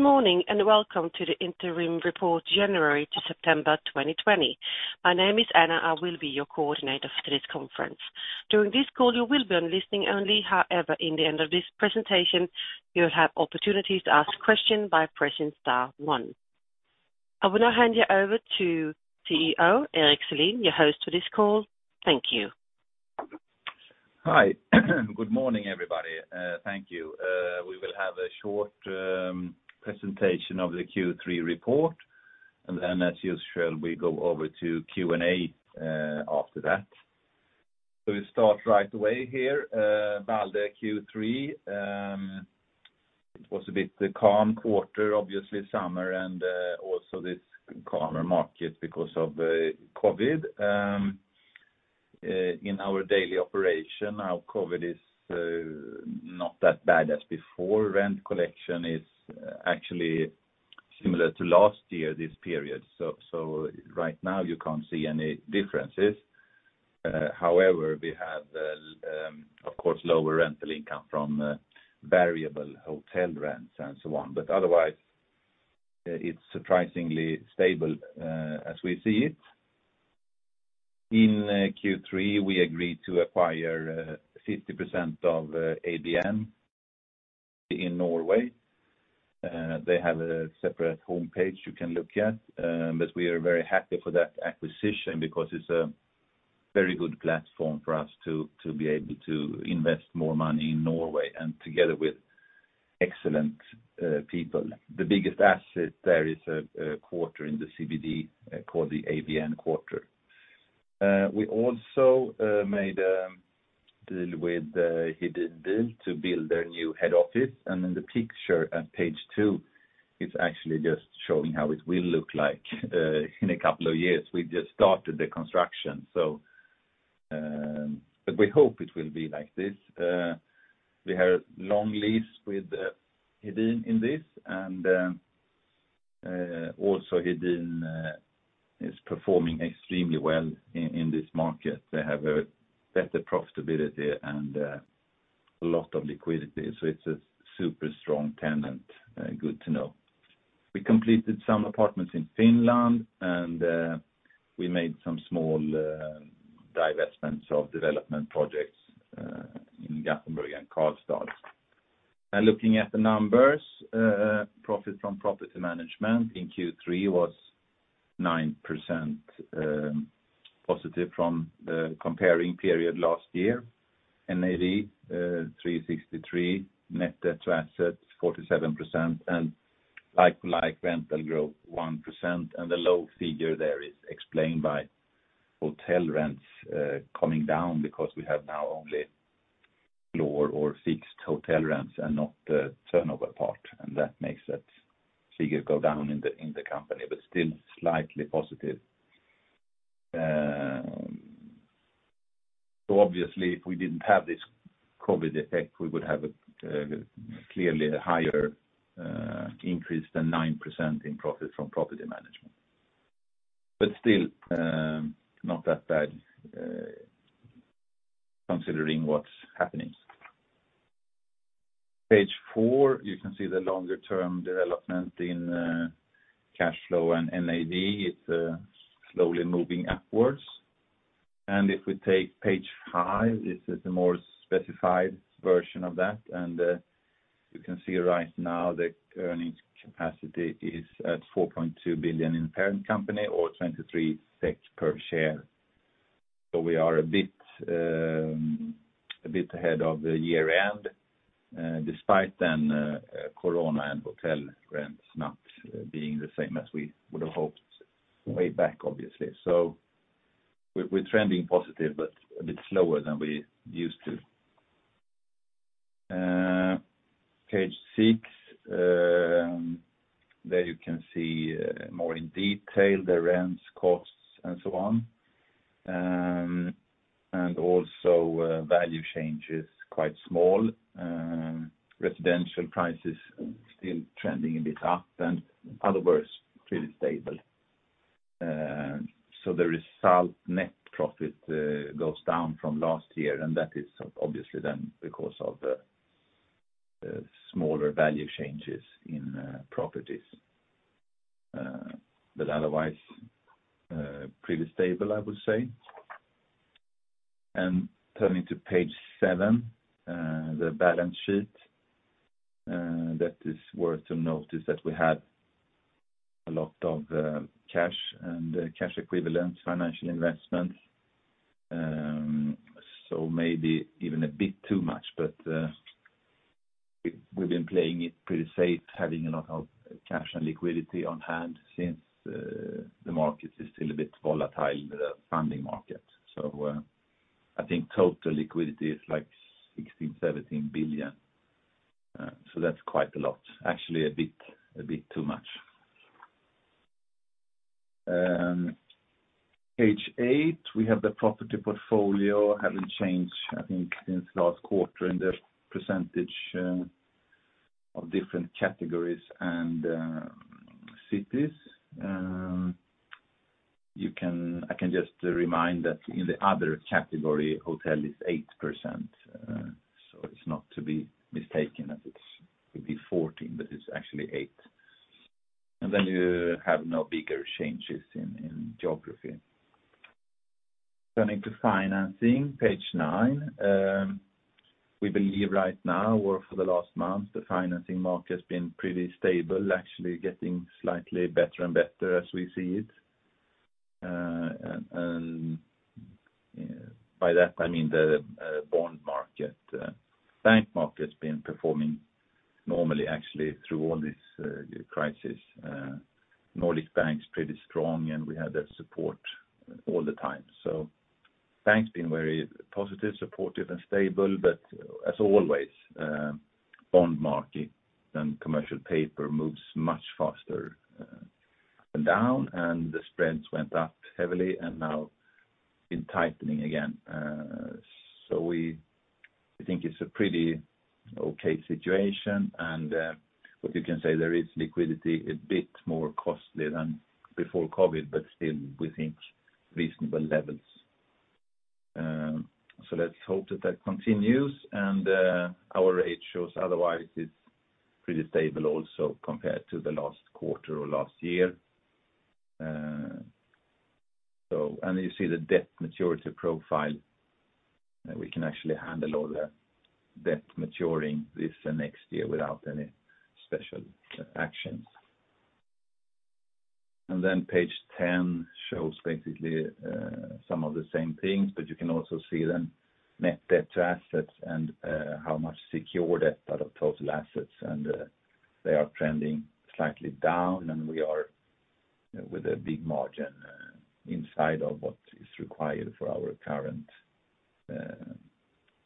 Good morning. Welcome to the interim report January to September 2020. My name is Anna, I will be your coordinator for today's conference. During this call, you will be on listening only. However, in the end of this presentation, you'll have opportunities to ask questions by pressing star one. I will now hand you over to CEO, Erik Selin, your host for this call. Thank you. Hi. Good morning, everybody. Thank you. We will have a short presentation of the Q3 report, and then as usual, we go over to Q&A after that. We start right away here. Balder Q3, it was a bit calm quarter, obviously summer and also this calmer market because of COVID. In our daily operation now COVID is not that bad as before. Rent collection is actually similar to last year, this period. Right now you can't see any differences. However, we have, of course, lower rental income from variable hotel rents and so on. Otherwise, it's surprisingly stable as we see it. In Q3, we agreed to acquire 50% of ADN in Norway. They have a separate homepage you can look at. We are very happy for that acquisition because it's a very good platform for us to be able to invest more money in Norway and together with excellent people. The biggest asset there is a quarter in the CBD called the ADN quarter. We also made a deal with Hedin to build their new head office. In the picture at page two, it's actually just showing how it will look like in a couple of years. We just started the construction. We hope it will be like this. We have long lease with Hedin in this, and also Hedin is performing extremely well in this market. They have a better profitability and a lot of liquidity, so it's a super strong tenant. Good to know. We completed some apartments in Finland, and we made some small divestments of development projects in Gothenburg and Karlstad. Looking at the numbers, profit from property management in Q3 was 9% positive from the comparing period last year. NAV 363, net debt to assets 47%, and like-for-like rental growth 1%. The low figure there is explained by hotel rents coming down because we have now only floor or fixed hotel rents and not the turnover part, and that makes that figure go down in the company, but still slightly positive. Obviously if we didn't have this COVID effect, we would have a clearly higher increase than 9% in profit from property management. Still, not that bad considering what's happening. Page four, you can see the longer-term development in cash flow and NAV. It's slowly moving upwards. If we take page five, this is a more specified version of that. You can see right now the earnings capacity is at 4.2 billion in the parent company or 23 per share. We are a bit ahead of the year-end. Despite corona and hotel rents not being the same as we would have hoped way back, obviously. We're trending positive, but a bit slower than we used to. Page six. There you can see more in detail the rents, costs, and so on. Also value change is quite small. Residential prices still trending a bit up and otherwise pretty stable. The result net profit goes down from last year, and that is obviously because of the smaller value changes in properties. Otherwise, pretty stable, I would say. Turning to page seven, the balance sheet. That is worth to notice that we had a lot of cash and cash equivalents, financial investments. Maybe even a bit too much, but we've been playing it pretty safe, having a lot of cash and liquidity on hand since the market is still a bit volatile in the funding market. I think total liquidity is like 16 billion-17 billion. That's quite a lot. Actually, a bit too much. Page eight, we have the property portfolio. Haven't changed, I think, since last quarter in the percentage of different categories and cities. I can just remind that in the other category, hotel is 8%. It's not to be mistaken that it would be 14, but it's actually eight. Then you have no bigger changes in geography. Turning to financing, page nine. We believe right now, or for the last month, the financing market has been pretty stable, actually getting slightly better and better as we see it. By that I mean the bond market. Bank market's been performing normally actually through all this crisis. Nordea Bank's pretty strong, and we had that support all the time. Banks been very positive, supportive, and stable, but as always bond market and commercial paper moves much faster up and down, and the spreads went up heavily and now been tightening again. We think it's a pretty okay situation. What you can say, there is liquidity, a bit more costly than before COVID, but still within reasonable levels. Let's hope that that continues. Our rate shows otherwise it's pretty stable also compared to the last quarter or last year. You see the debt maturity profile, and we can actually handle all the debt maturing this next year without any special actions. Page 10 shows basically some of the same things, but you can also see net debt to assets and how much secure debt out of total assets. They are trending slightly down, and we are with a big margin inside of what is required for our current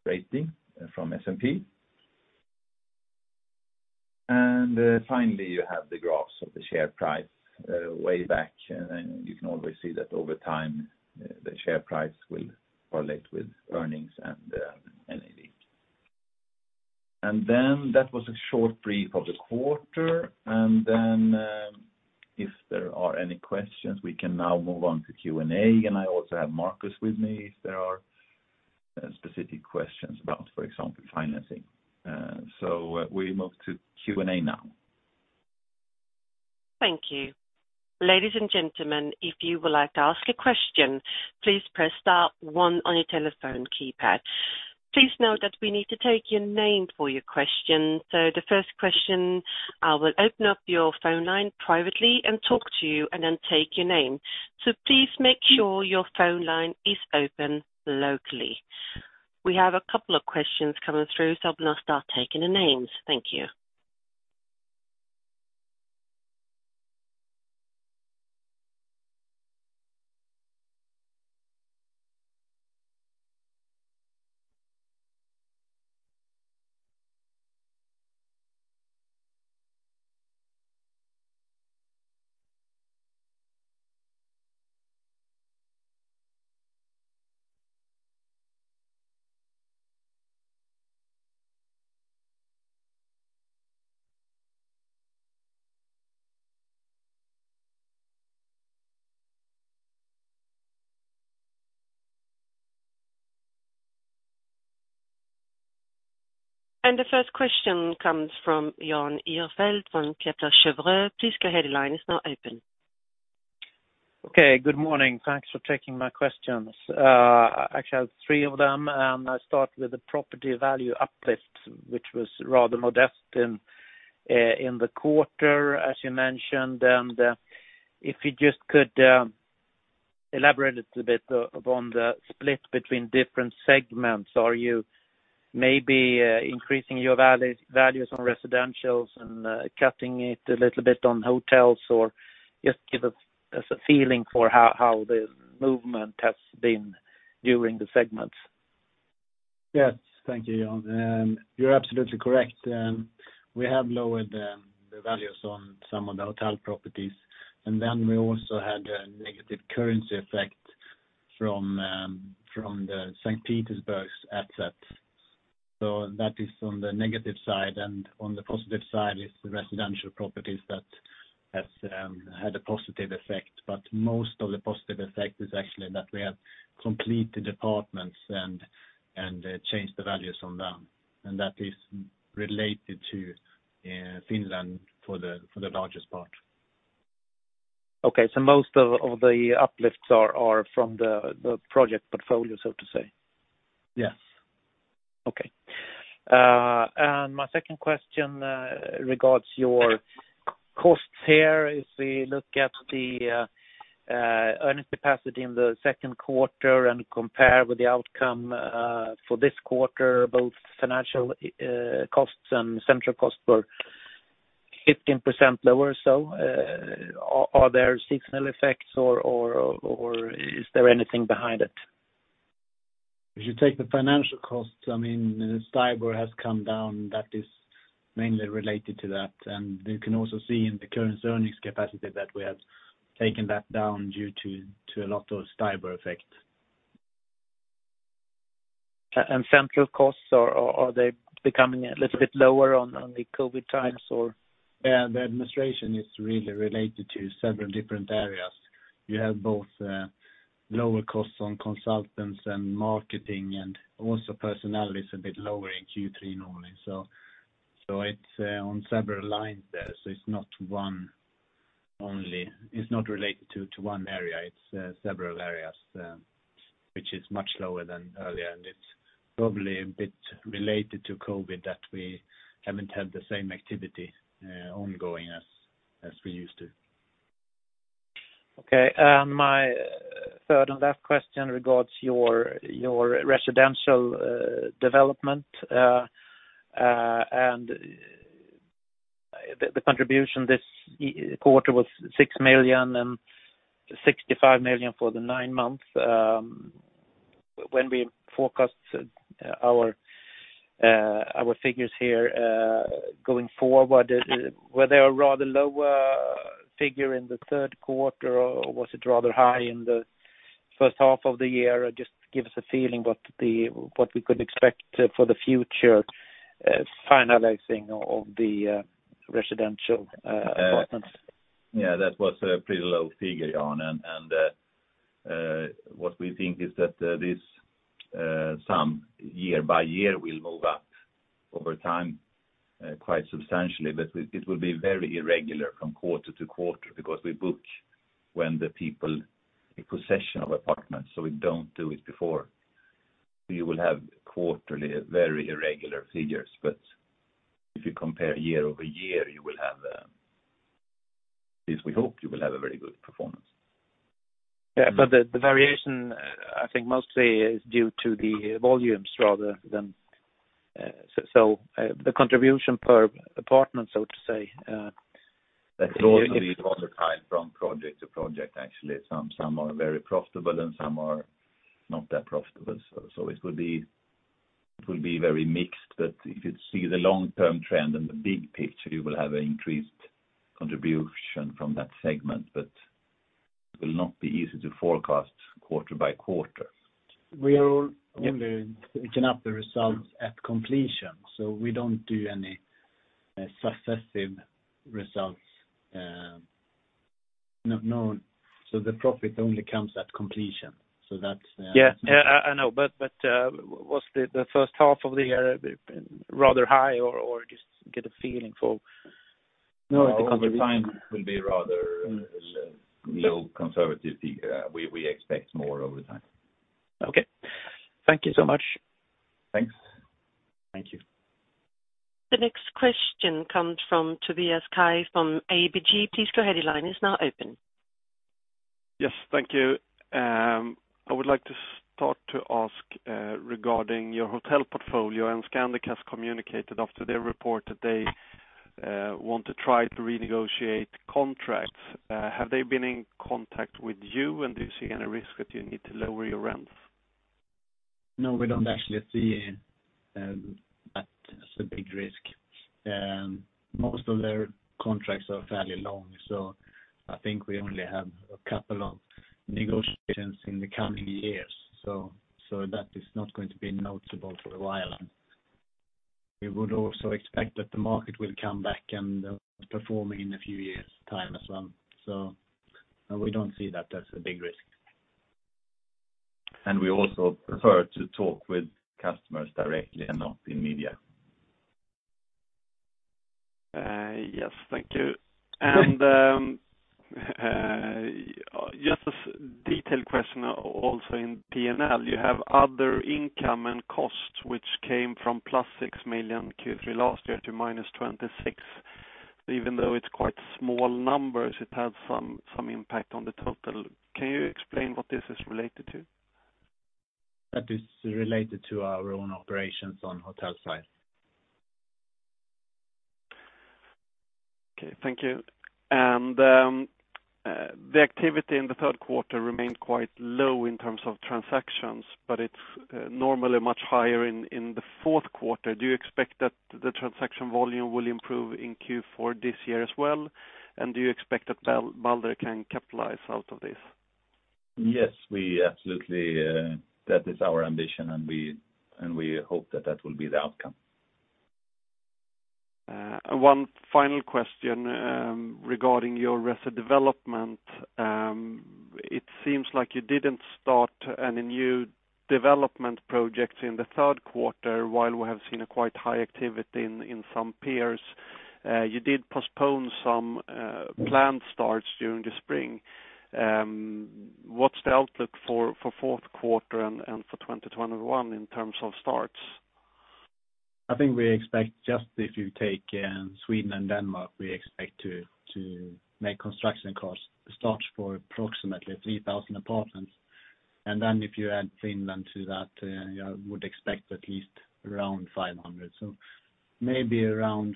rating from S&P. Finally, you have the graphs of the share price way back. You can always see that over time, the share price will correlate with earnings and NAV. That was a short brief of the quarter. If there are any questions, we can now move on to Q&A. I also have Marcus with me if there are specific questions about, for example, financing. We move to Q&A now. Thank you. Ladies and gentlemen, if you would like to ask a question, please press star one on your telephone keypad. Please note that we need to take your name for your question. The first question, I will open up your phone line privately and talk to you and then take your name. Please make sure your phone line is open locally. We have a couple of questions coming through, so I'm going to start taking the names. Thank you. The first question comes from Jan Ihrfelt from Kepler Cheuvreux. Please go ahead, your line is now open. Okay, good morning. Thanks for taking my questions. Actually I have three of them. I start with the property value uplift, which was rather modest in the quarter, as you mentioned. If you just could elaborate a little bit upon the split between different segments. Are you maybe increasing your values on residentials and cutting it a little bit on hotels, or just give us a feeling for how the movement has been during the segments. Yes. Thank you, Jan. You're absolutely correct. We have lowered the values on some of the hotel properties. We also had a negative currency effect from the St. Petersburg assets. That is on the negative side, and on the positive side is the residential properties that has had a positive effect. Most of the positive effect is actually that we have completed apartments and changed the values on them. That is related to Finland for the largest part. Okay, most of the uplifts are from the project portfolio, so to say? Yes. Okay. My second question regards your costs here. If we look at the earnings capacity in the second quarter and compare with the outcome for this quarter, both financial costs and central costs were 15% lower. Are there seasonal effects or is there anything behind it? If you take the financial cost, STIBOR has come down, that is mainly related to that. You can also see in the current earnings capacity that we have taken that down due to a lot of STIBOR effect. Central costs, are they becoming a little bit lower on the COVID times or? Yeah. The administration is really related to several different areas. You have both lower costs on consultants and marketing, and also personnel is a bit lower in Q3 normally. It's on several lines there. It's not related to one area. It's several areas which is much lower than earlier, and it's probably a bit related to COVID that we haven't had the same activity ongoing as we used to. Okay. My third and last question regards your residential development. The contribution this quarter was 6 million and 65 million for the nine months. When we forecast our figures here, going forward, were they a rather lower figure in the third quarter, or was it rather high in the first half of the year? Just give us a feeling what we could expect for the future finalizing of the residential apartments. Yeah, that was a pretty low figure, Jan. What we think is that this sum year-by-year will move up over time quite substantially. It will be very irregular from quarter-to-quarter because we book when the people in possession of apartments, so we don't do it before. We will have quarterly very irregular figures. If you compare year-over-year, at least we hope you will have a very good performance. Yeah. The variation, I think mostly is due to the volumes rather than. The contribution per apartment, so to say. That's also very project to project actually. Some are very profitable and some are not that profitable. It will be very mixed. If you see the long-term trend and the big picture, you will have an increased contribution from that segment. It will not be easy to forecast quarter-by-quarter. We are only switching up the results at completion, so we don't do any successive results. The profit only comes at completion. Yeah, I know. Was the first half of the year rather high or just get a feeling for it? No. Over time will be rather low conservative figure. We expect more over time. Okay. Thank you so much. Thanks. Thank you. The next question comes from Tobias Kaj from ABG. Please go ahead, your line is now open. Yes. Thank you. I would like to start to ask regarding your hotel portfolio and Scandic has communicated after their report that they want to try to renegotiate contracts. Have they been in contact with you and do you see any risk that you need to lower your rents? No, we don't actually see that as a big risk. Most of their contracts are fairly long, so I think we only have a couple of negotiations in the coming years. That is not going to be noticeable for a while. We would also expect that the market will come back and perform in a few years' time as well. We don't see that as a big risk. We also prefer to talk with customers directly and not in media. Yes. Thank you. Just a detailed question also in P&L, you have other income and costs which came from plus 6 million Q3 last year to minus 26. Even though it's quite small numbers, it has some impact on the total. Can you explain what this is related to? That is related to our own operations on hotel side. Okay. Thank you. The activity in the third quarter remained quite low in terms of transactions, but it's normally much higher in the fourth quarter. Do you expect that the transaction volume will improve in Q4 this year as well? Do you expect that Balder can capitalize out of this? Yes. That is our ambition, and we hope that that will be the outcome. One final question regarding your resi development. It seems like you didn't start any new development projects in the third quarter while we have seen a quite high activity in some peers. You did postpone some planned starts during the spring. What's the outlook for fourth quarter and for 2021 in terms of starts? I think we expect just if you take Sweden and Denmark, we expect to make construction starts for approximately 3,000 apartments. If you add Finland to that, I would expect at least around 500. Maybe around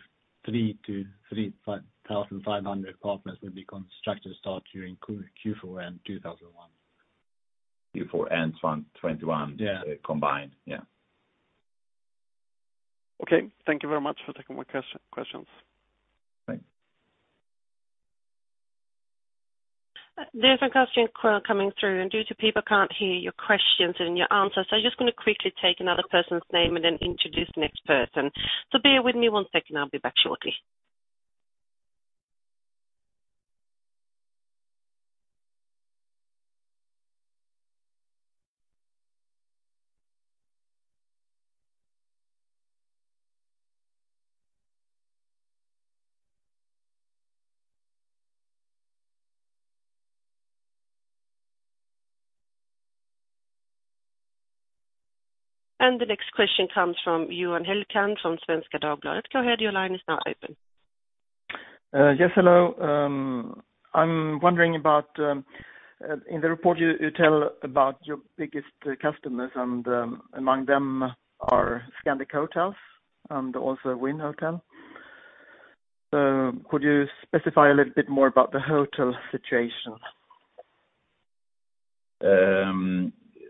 3,000-3,500 apartments will be construction start during Q4 and 2021. Q4 and 2021- Yeah. -combined. Yeah. Okay. Thank you very much for taking my questions. Thanks. There are questions coming through and due to people can't hear your questions and your answers, just going to quickly take another person's name and then introduce the next person. Bear with me one second. I'll be back shortly. The next question comes from Johan Hellekant from Svenska Dagbladet. Go ahead. Your line is now open. Yes. Hello. I'm wondering about in the report you tell about your biggest customers and among them are Scandic Hotels and also Winn Hotel. Could you specify a little bit more about the hotel situation?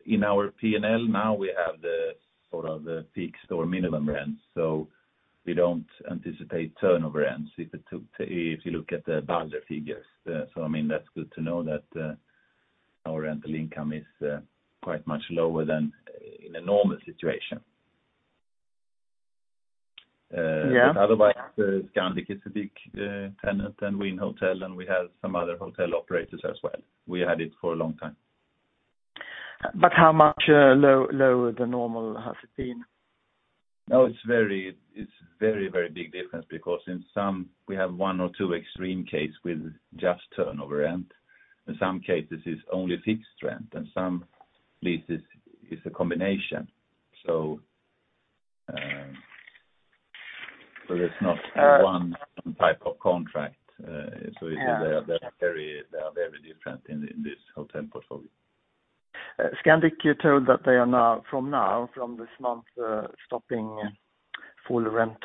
In our P&L now we have the fixed or minimum rents. We don't anticipate turnover rents if you look at the Balder figures. That's good to know that our rental income is quite much lower than in a normal situation. Yeah. Otherwise, Scandic is a big tenant and Winn Hotel, and we have some other hotel operators as well. We had it for a long time. How much lower the normal has it been? It's very big difference because in some we have one or two extreme case with just turnover rent. In some cases it's only fixed rent and some leases is a combination. There's not one type of contract. Yeah. They are very different in this hotel portfolio. Scandic told that they are from now, from this month, stopping full rent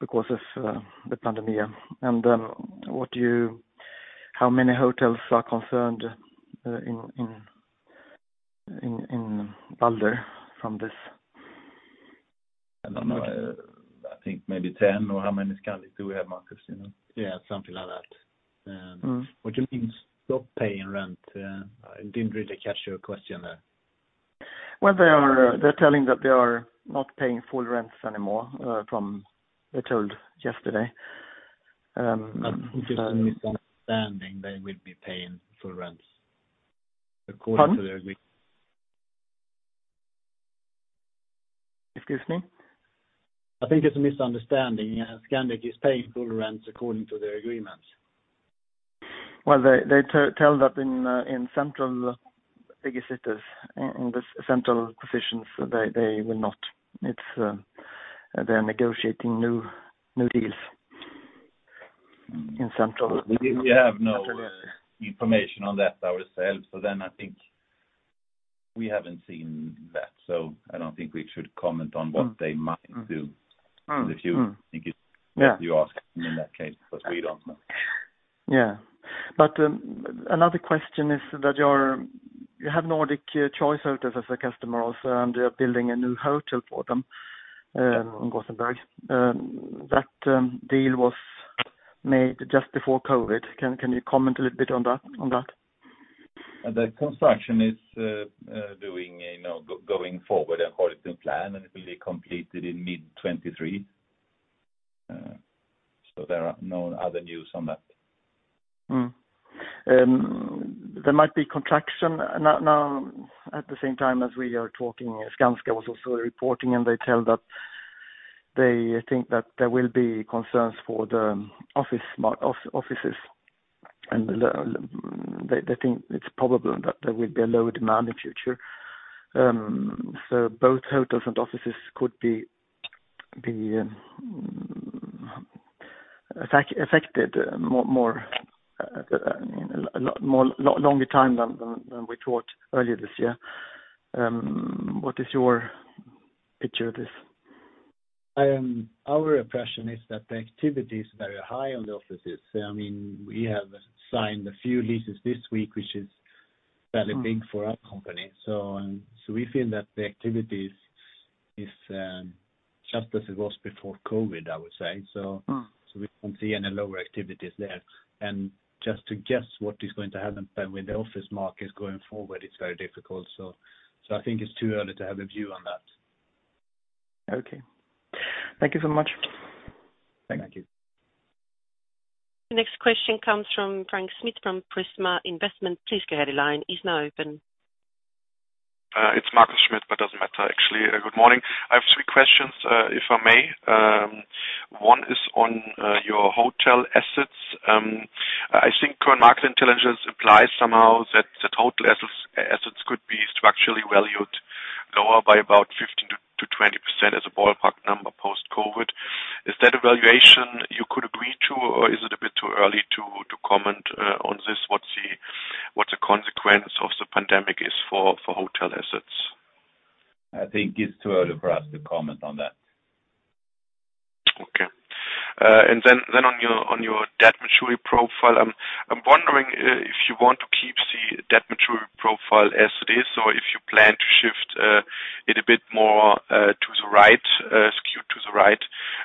because of the pandemic. How many hotels are concerned in Balder from this? I think maybe 10 or how many Scandic do we have, Marcus? Do you know? Yeah, something like that. What you mean stop paying rent? I didn't really catch your question there. Well, they're telling that they are not paying full rents anymore, from they told yesterday. If it's a misunderstanding, they will be paying full rents according to their agreement. Pardon. Excuse me. I think it's a misunderstanding. Scandic is paying full rents according to their agreements. Well, they tell that in central big cities, in the central positions, they will not. They're negotiating new deals in central. We have no information on that ourselves. I think we haven't seen that, so I don't think we should comment on what they might do. If you think it's what you ask in that case, but we don't know. Yeah. Another question is that you have Nordic Choice Hotels as a customer also, and you are building a new hotel for them in Gothenburg. That deal was made just before COVID. Can you comment a little bit on that? The construction is going forward according to plan, and it will be completed in mid 2023. There are no other news on that. There might be contraction now at the same time as we are talking. Skanska was also reporting. They tell that they think that there will be concerns for the offices, and they think it's probable that there will be a lower demand in future. Both hotels and offices could be affected a lot longer time than we thought earlier this year. What is your picture of this? Our impression is that the activity is very high on the offices. We have signed a few leases this week, which is fairly big for our company. We feel that the activity is just as it was before COVID, I would say. We don't see any lower activities there. Just to guess what is going to happen then with the office market going forward, it's very difficult. I think it's too early to have a view on that. Okay. Thank you so much. Thank you. Thank you. The next question comes from Markus Schmidt from Prisma Investment. Please go ahead. Your line is now open. It's Markus Schmidt. Doesn't matter, actually. Good morning. I have three questions, if I may. One is on your hotel assets. I think current market intelligence applies somehow that hotel assets could be structurally valued lower by about 15%-20% as a ballpark number post-COVID. Is that a valuation you could agree to, or is it a bit too early to comment on this? What the consequence of the pandemic is for hotel assets? I think it's too early for us to comment on that. Okay. On your debt maturity profile, I'm wondering if you want to keep that maturity profile as it is. If you plan to shift it a bit more to the right, skewed to the right,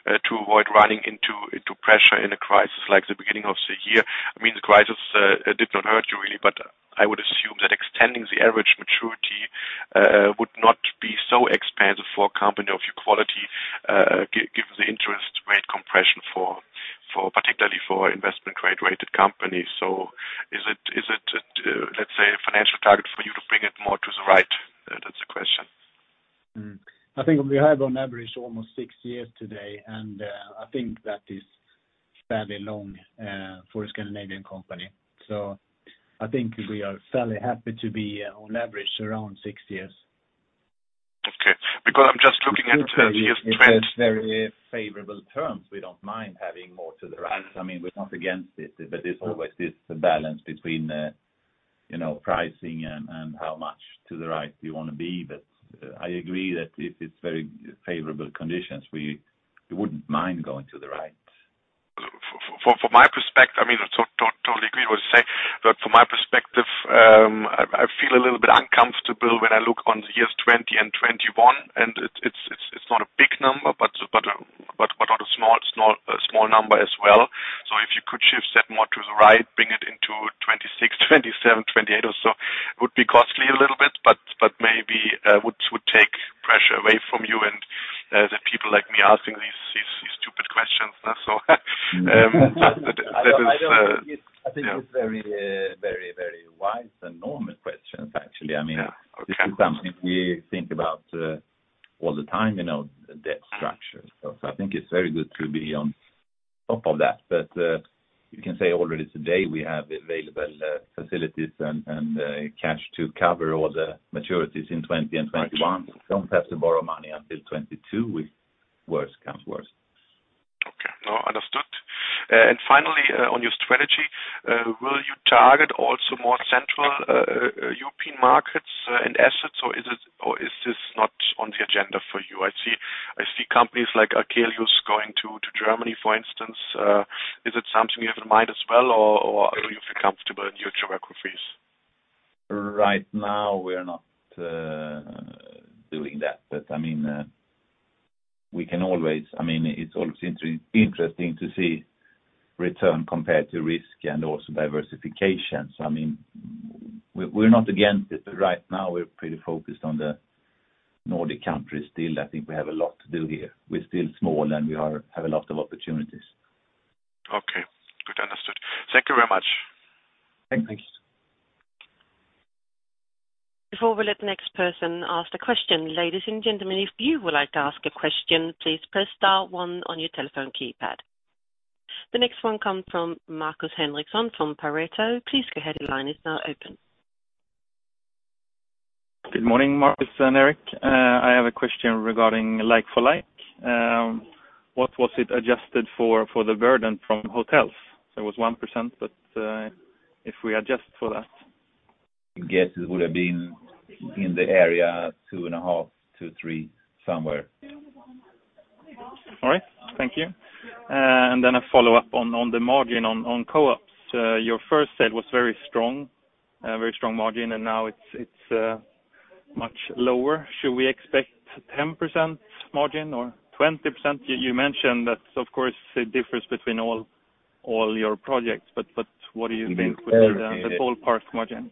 to avoid running into pressure in a crisis like the beginning of the year. The crisis did not hurt you really, but I would assume that extending the average maturity would not be so expensive for a company of your quality, given the interest rate compression particularly for investment grade-rated companies. Is it, let's say, a financial target for you to bring it more to the right? That's the question. I think we have on average almost six years today, and I think that is fairly long for a Scandinavian company. I think we are fairly happy to be on average around six years. Okay. I'm just looking at the year's trends. If it's very favorable terms, we don't mind having more to the right. We're not against it, but it always is the balance between pricing and how much to the right we want to be. I agree that if it's very favorable conditions, we wouldn't mind going to the right. From my perspective, I totally agree with what you say. From my perspective, I feel a little bit uncomfortable when I look on the years 2020 and 2021, and it's not a big number, but not a small number as well. If you could shift that more to the right, bring it into 2026, 2027, 2028 or so, it would be costly a little bit, but maybe would take pressure away from you and the people like me asking these stupid questions. I think it's very wise and normal questions, actually. Yeah. Okay. This is something we think about all the time, debt structure. I think it's very good to be on top of that. You can say already today we have available facilities and cash to cover all the maturities in 2020 and 2021. Right. We don't have to borrow money until 2022 if worse comes worse. Okay. No, understood. Finally, on your strategy, will you target also more central European markets and assets, or is this not on the agenda for you? I see companies like Akelius going to Germany, for instance. Is it something you have in mind as well, or do you feel comfortable in your geographies? Right now we are not doing that. It's always interesting to see return compared to risk and also diversification. We're not against it, but right now we're pretty focused on the Nordic countries still. I think we have a lot to do here. We're still small, and we have a lot of opportunities. Okay. Good. Understood. Thank you very much. Thank you. Thanks. Before we let the next person ask the question, ladies and gentlemen, if you would like to ask a question, please press star one on your telephone keypad. The next one comes from Markus Henriksson from Pareto. Please go ahead. Your line is now open. Good morning, Marcus and Erik. I have a question regarding like-for-like. What was it adjusted for the burden from hotels? There was 1%, but if we adjust for that. I guess it would have been in the area two and a half to three somewhere. All right. Thank you. A follow-up on the margin on co-ops. Your first sale was very strong, a very strong margin, and now it's much lower. Should we expect 10% margin or 20%? You mentioned that, of course, the difference between all your projects, but what do you think with the whole parts margin?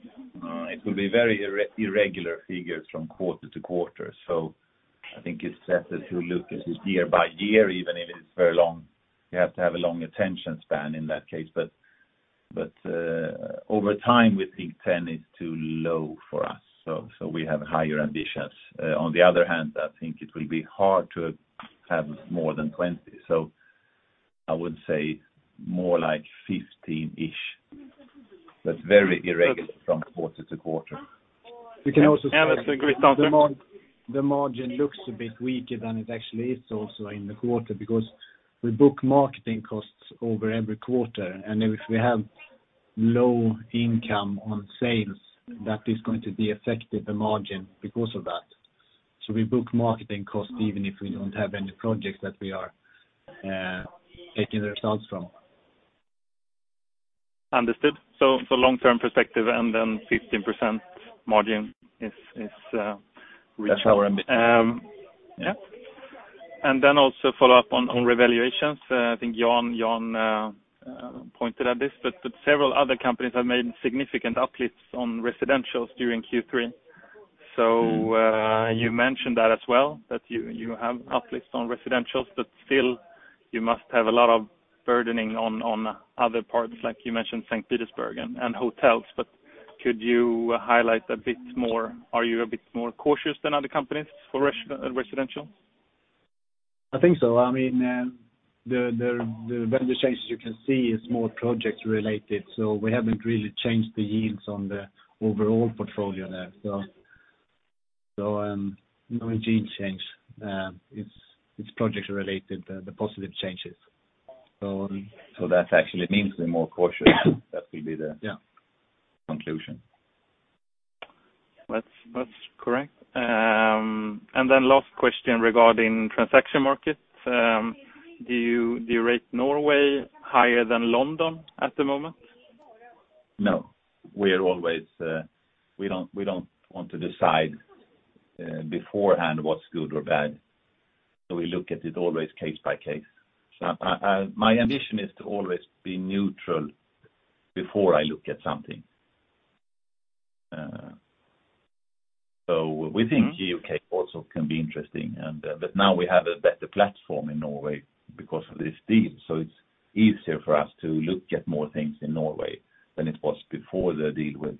It will be very irregular figures from quarter-to-quarter. I think it's better to look at it year by year, even if it is very long. You have to have a long attention span in that case. Over time, we think 10 is too low for us, so we have higher ambitions. On the other hand, I think it will be hard to have more than 20. I would say more like 15-ish, but very irregular from quarter-to-quarter. We can also say- That's a great answer. -the margin looks a bit weaker than it actually is also in the quarter because we book marketing costs over every quarter, and if we have low income on sales, that is going to affect the margin because of that. We book marketing costs even if we don't have any projects that we are taking the results from. Understood. Long-term perspective and then 15% margin is reasonable. That's our ambition. Yeah. Then also follow up on revaluations. I think Jan pointed at this, but several other companies have made significant uplifts on residentials during Q3. You mentioned that as well, that you have uplifts on residentials, but still you must have a lot of burdening on other parts, like you mentioned St. Petersburg and hotels, but could you highlight a bit more? Are you a bit more cautious than other companies for residential? I think so. The value changes you can see is more project-related, so we haven't really changed the yields on the overall portfolio there. No yield change. It's project-related, the positive changes. That actually means we're more cautious. Yeah. Conclusion. That's correct. Last question regarding transaction markets. Do you rate Norway higher than London at the moment? No. We don't want to decide beforehand what's good or bad, so we look at it always case by case. My ambition is to always be neutral before I look at something. We think U.K. also can be interesting. Now we have a better platform in Norway because of this deal, so it's easier for us to look at more things in Norway than it was before the deal with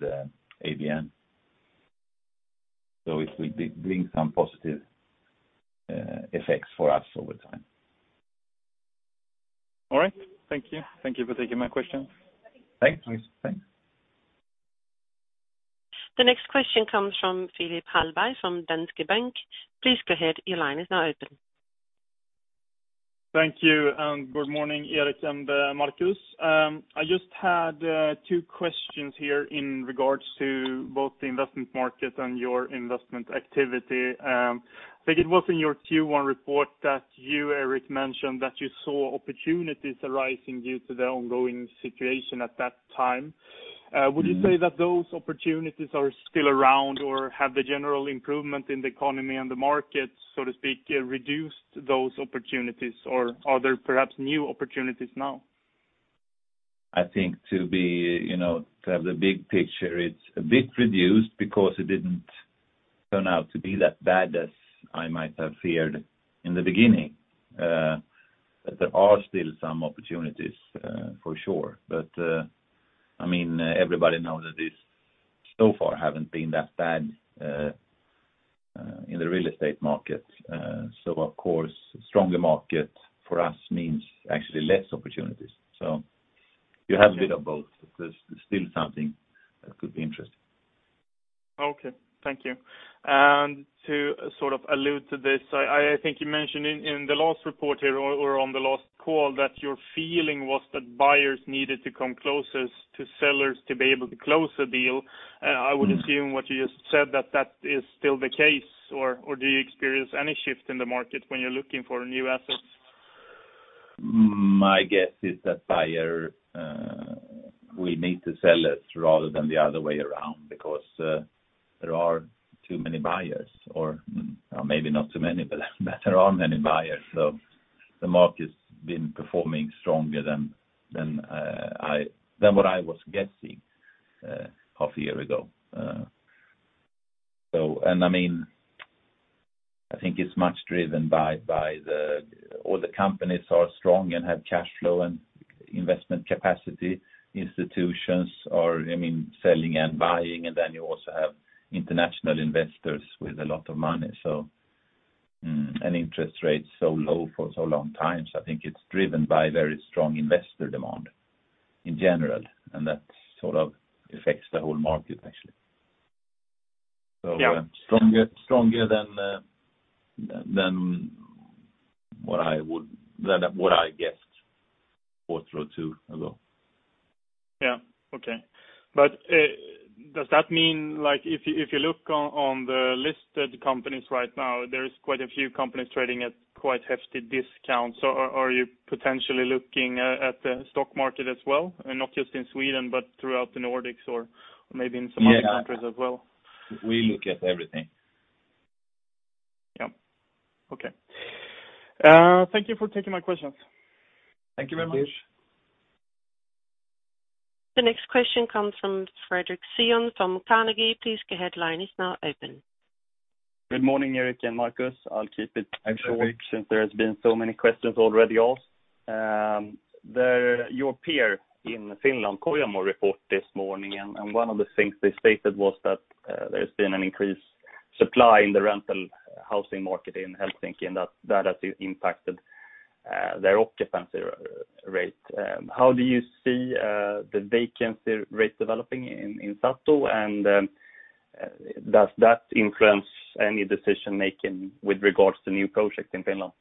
ABN. It will bring some positive effects for us over time. All right. Thank you. Thank you for taking my questions. Thanks. The next question comes from Philip Hallberg of Danske Bank. Please go ahead. Your line is now open. Thank you, good morning, Erik and Marcus. I just had two questions here in regards to both the investment market and your investment activity. I think it was in your Q1 report that you, Erik, mentioned that you saw opportunities arising due to the ongoing situation at that time. Would you say that those opportunities are still around, or have the general improvement in the economy and the market, so to speak, reduced those opportunities, or are there perhaps new opportunities now? I think to have the big picture, it's a bit reduced because it didn't turn out to be that bad as I might have feared in the beginning. There are still some opportunities, for sure. Everybody knows that this so far hasn't been that bad in the real estate market. Of course, stronger market for us means actually less opportunities. You have a bit of both. There's still something that could be interesting. Okay. Thank you. To allude to this, I think you mentioned in the last report here or on the last call that your feeling was that buyers needed to come closest to sellers to be able to close a deal. I would assume what you just said that that is still the case, or do you experience any shift in the market when you're looking for new assets? My guess is that buyer will need the sellers rather than the other way around because there are too many buyers, or maybe not too many, but there are many buyers. The market's been performing stronger than what I was guessing half a year ago. I think it's much driven by all the companies are strong and have cash flow and investment capacity. Institutions are selling and buying, and then you also have international investors with a lot of money. Interest rates so low for so long times, I think it's driven by very strong investor demand in general, and that sort of affects the whole market, actually. Yeah. Stronger than what I guessed quarter or two ago. Yeah. Okay. Does that mean if you look on the listed companies right now, there is quite a few companies trading at quite hefty discounts. Are you potentially looking at the stock market as well, not just in Sweden, but throughout the Nordics or maybe in some other? Yeah. countries as well? We look at everything. Yep. Okay. Thank you for taking my questions. Thank you very much. The next question comes from Fredric Cyon from Carnegie. Please go ahead. Good morning, Erik and Marcus. I'll keep it short. Hi, Fredric. Since there has been so many questions already asked. Your peer in Finland, Kojamo, report this morning, and one of the things they stated was that there's been an increased supply in the rental housing market in Helsinki, and that has impacted their occupancy rate. How do you see the vacancy rate developing in SATO, and does that influence any decision-making with regards to new projects in Finland?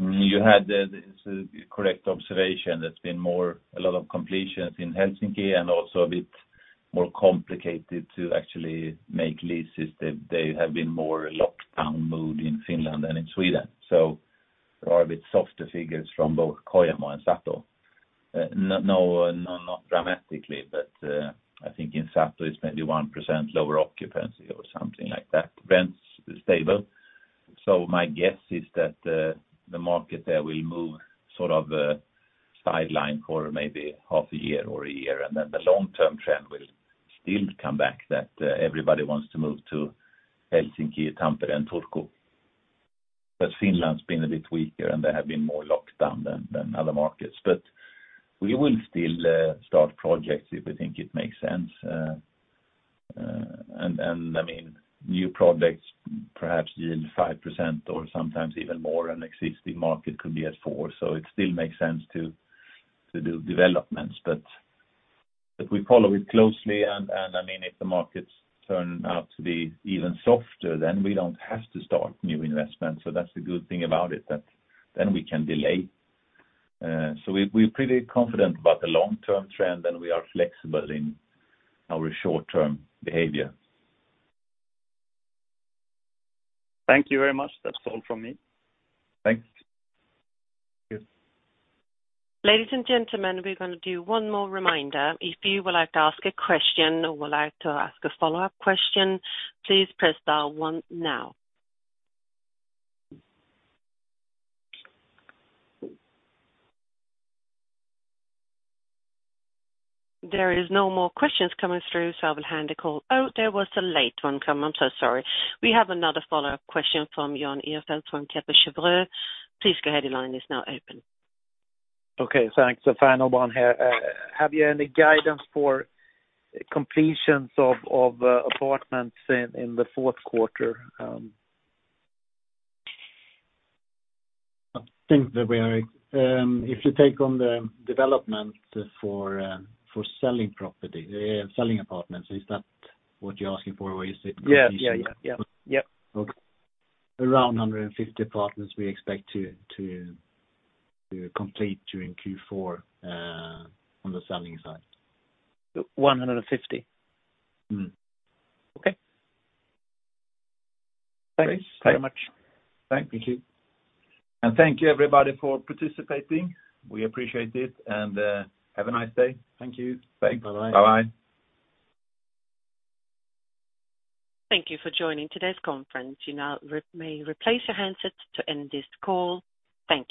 You had the correct observation. There's been a lot of completions in Helsinki and also a bit more complicated to actually make leases. There have been more lockdown mood in Finland than in Sweden. There are a bit softer figures from both Kojamo and SATO. Not dramatically, but I think in SATO it's maybe 1% lower occupancy or something like that. Rents is stable. My guess is that the market there will move sort of sideline for maybe half a year or a year, and then the long-term trend will still come back that everybody wants to move to Helsinki, Tampere, and Turku. Finland's been a bit weaker, and they have been more locked down than other markets. We will still start projects if we think it makes sense. New projects perhaps yield 5% or sometimes even more, and existing market could be at 4%. It still makes sense to do developments. We follow it closely, and if the markets turn out to be even softer, then we don't have to start new investments. That's the good thing about it, that then we can delay. We're pretty confident about the long-term trend, and we are flexible in our short-term behavior. Thank you very much. That's all from me. Thanks. Ladies and gentlemen, we're going to do one more reminder. If you would like to ask a question or would like to ask a follow-up question, please press dial one now. There is no more questions coming through. Oh, there was a late one come. I'm so sorry. We have another follow-up question from Jan Ihrfelt from Kepler Cheuvreux. Please go ahead. The line is now open. Okay. Thanks. The final one here. Have you any guidance for completions of apartments in the fourth quarter? I think that we are. If you take on the development for selling property, selling apartments, is that what you're asking for? Or is it completion? Yeah. Okay. Around 150 apartments we expect to complete during Q4 on the selling side. 150? Mm-hmm. Okay. Thanks so much. Thank you. Thank you, everybody, for participating. We appreciate it, and have a nice day. Thank you. Thanks. Bye-bye. Thank you for joining today's conference. You now may replace your handsets to end this call. Thank you.